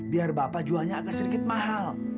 biar bapak jualnya agak sedikit mahal